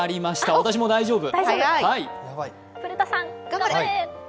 私も大丈夫。